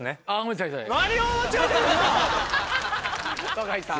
若井さん。